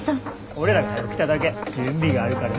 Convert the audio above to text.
俺らがはよ来ただけ。準備があるからな。